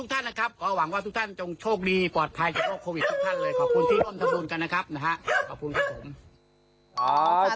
ขอบคุณสาธุนะคะอนุโมทนาค่ะ